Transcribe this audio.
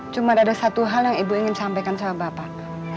cuma ada satu hal yang ibu ingin sampaikan sama bapak